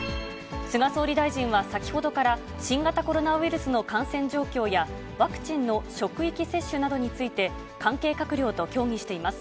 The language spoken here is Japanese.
菅総理大臣は先ほどから、新型コロナウイルスの感染状況や、ワクチンの職域接種などについて、関係閣僚と協議しています。